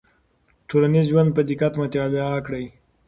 ټولنیز ژوند په دقت مطالعه کړئ.